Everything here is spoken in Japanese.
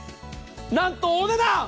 なんとお値段。